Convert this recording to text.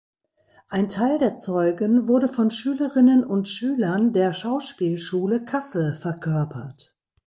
Ein Teil der Zeugen wurde von Schülerinnen und Schülern der Schauspielschule Kassel verkörpert.